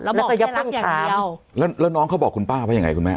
แล้วบอกให้รับอย่างเดียวแล้วน้องเขาบอกคุณป้าว่ายังไงคุณแม่